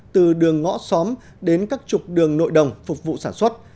từ đường ngõ xóm đến các trục đường nội đồng phục vụ sản xuất